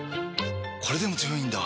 これでも強いんだ！